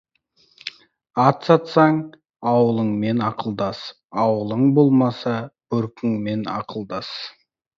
Ат сатсаң, аулыңмен ақылдас, ауылың болмаса, бөркіңмен ақылдас.